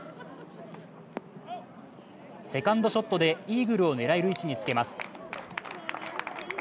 セカンドショットでイーグルを狙える位置につけます。